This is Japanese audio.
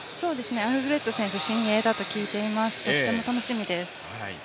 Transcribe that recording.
アルフレッド選手、新鋭だと聞いています、とても楽しみです。